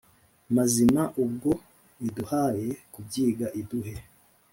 mazima ubwo iduhaye kubyiga iduhe